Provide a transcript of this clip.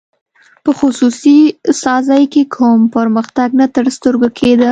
په خصوصي سازۍ کې کوم پرمختګ نه تر سترګو کېده.